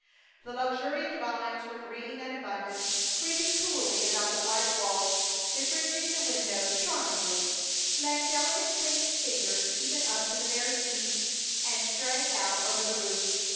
The luxuriant vines were green and abundant, creeping coolly about the white walls, befringing the windows charmingly, laying delicate clinging fingers even up to the very eaves, and straying out over the roof.